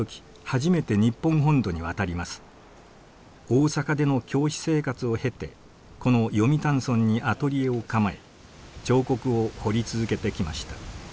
大阪での教師生活を経てこの読谷村にアトリエを構え彫刻を彫り続けてきました。